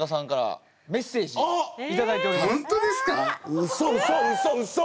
うそうそうそうそ！